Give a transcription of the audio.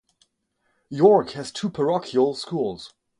York has two parochial schools.